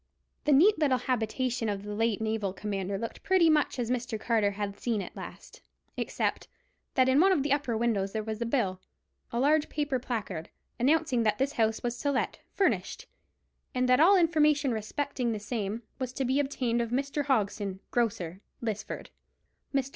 The neat little habitation of the late naval commander looked pretty much as Mr. Carter had seen it last, except that in one of the upper windows there was a bill—a large paper placard—announcing that this house was to let, furnished; and that all information respecting the same was to be obtained of Mr. Hogson, grocer, Lisford. Mr.